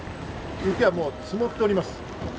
雪が積もっております。